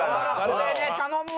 これね頼むわ！